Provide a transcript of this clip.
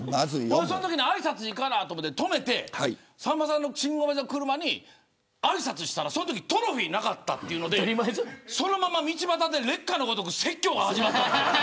そのときあいさつ行かなと思って止めてさんまさんの信号待ちの車にあいさつしたらそのときトロフィーがなかったというのでそのまま道端で烈火のごとく説教が始まった。